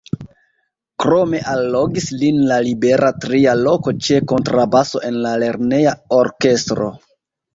Krome allogis lin la libera tria loko ĉe kontrabaso en la lerneja orkestro.